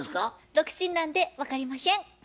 独身なんで分かりましぇん。